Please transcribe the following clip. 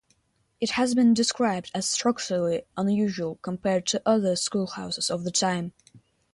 It has been described as "structurally unusual" compared to other schoolhouses of the time.